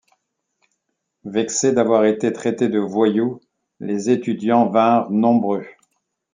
Vexés d'avoir été traités de voyous, les étudiants vinrent nombreux.